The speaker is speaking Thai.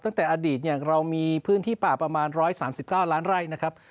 ตั้งแต่อดีตเนี่ยเรามีพื้นที่ป่าประมาณ๑๓๙ล้านไร่นะครับ